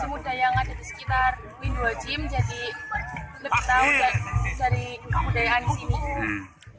semoga generasi muda yang ada di sekitar windu aji jadi lebih tahu dari kebudayaan di sini